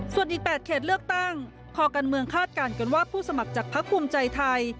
ส่วนอีก๘เขตเลือกตั้งคอการเมืองคาดการณ์กันว่าผู้สมัครจากพักภูมิใจไทย